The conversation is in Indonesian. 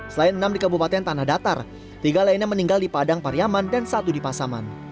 selain enam di kabupaten tanah datar tiga lainnya meninggal di padang pariaman dan satu di pasaman